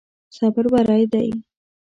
صبر بری دی.